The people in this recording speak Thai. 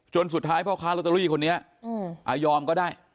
สุดท้ายพ่อค้าลอตเตอรี่คนนี้ยอมก็ได้